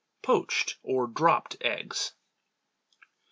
Poached, or Dropped Eggs.